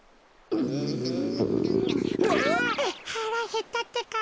はらへったってか。